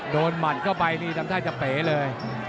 โดนหมั่นเข้าไปทำท่าจะเป๋เลย